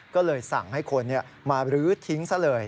ก็เลยสั่งให้คนมารื้อทิ้งซะเลย